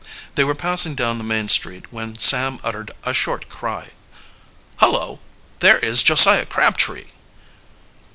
They were passing down the main street when Sam uttered a short cry. "Hullo, there is Josiah Crabtree!"